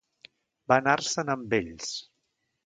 Va anar-se'n amb ells.